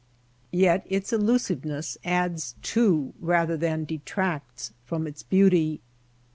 Yet its illusiveness adds to, rather than de tracts from, its beauty.